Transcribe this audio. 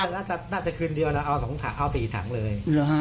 น่าจะขึ้นเดียวนะเอา๒ถังเอา๔ถังเลย